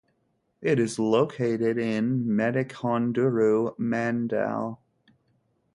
It is located in Medikonduru mandal.